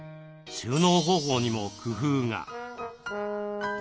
収納方法にも工夫が。